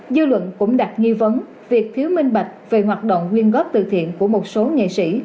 dư luận cũng đặt nghi vấn việc thiếu minh bạch về hoạt động quyên góp từ thiện của một số nghệ sĩ